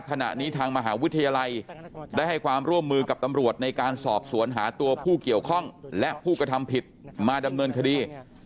ขณะนี้ทางมหาวิทยาลัยได้ให้ความร่วมมือกับตำรวจในการสอบสวนหาตัวผู้เกี่ยวข้องและผู้กระทำผิดมาดำเนินคดี